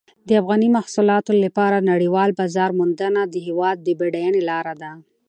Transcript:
د افغاني محصولاتو لپاره نړیوال بازار موندنه د هېواد د بډاینې لاره ده.